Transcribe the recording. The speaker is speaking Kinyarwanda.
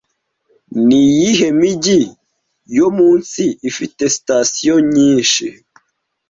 Ni iyihe mijyi yo munsi ifite sitasiyo nyinshi